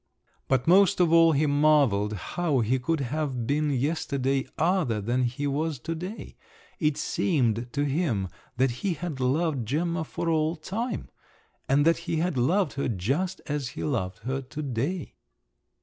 But most of all, he marvelled how he could have been yesterday other than he was to day. It seemed to him that he had loved Gemma for all time; and that he had loved her just as he loved her to day.